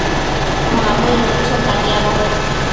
Mamënnu cho caniabo